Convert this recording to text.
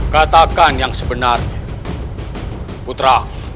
katakan yang sebenarnya putra